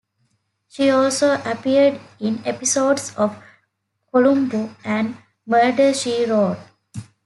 She also appeared in episodes of "Columbo" and "Murder She Wrote".